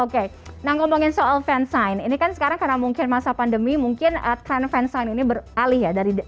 oke nah ngomongin soal fansign ini kan sekarang karena mungkin masa pandemi mungkin trend fansign ini beralih ya